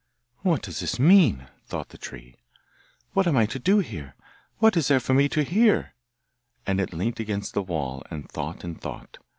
'What does this mean?' thought the tree. 'What am I to do here? What is there for me to hear?' And it leant against the wall, and thought and thought.